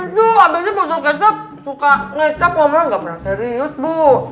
itu abisnya botol kecap suka ngecap ngomongnya gak pernah serius buh